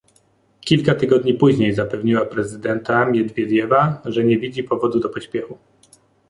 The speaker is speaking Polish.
Kilka tygodni później zapewniła prezydenta Miedwiediewa, że nie widzi powodu do pośpiechu